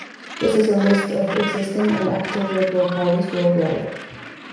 This is a list of existing and active Liberal Parties worldwide.